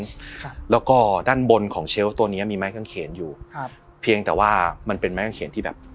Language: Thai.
ค่ะแล้วก็ด้านบนของเชลล์ตัวเนี้ยมีไม้เครื่องเข็นอยู่ครับเพียงแต่ว่ามันเป็นไม้เครื่องเข็นที่แบบ